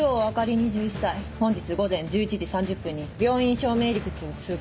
２１歳本日午前１１時３０分に病院正面入り口を通過。